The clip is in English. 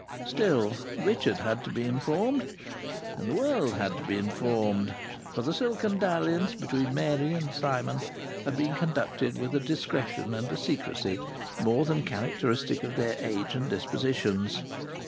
Still, Richard had to be informed, and the world had to be informed, for the silken dalliance between Mary and Simon had been conducted with a discretion and a secrecy more than characteristic of their age and dispositions.